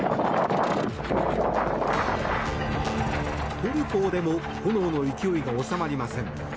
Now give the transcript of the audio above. トルコでも炎の勢いが収まりません。